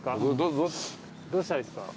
どうしたらいいですか？